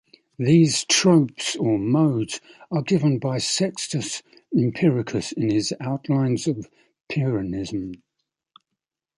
These "tropes" or "modes" are given by Sextus Empiricus in his "Outlines of Pyrrhonism".